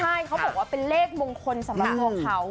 ใช่เขาบอกว่าเป็นเลขมงคลสำหรับตัวเขา